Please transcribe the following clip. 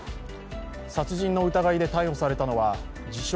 殺人の疑いで逮捕されたのは自称